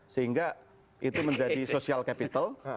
sehingga itu menjadi social capital